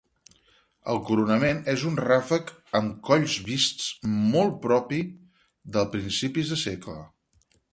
El coronament és un ràfec amb colls vists molt propi de principis del segle.